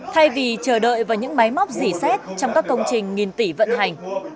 thay vì chờ đợi vào những máy móc dỉ xét trong các công trình nghìn tỷ vận hành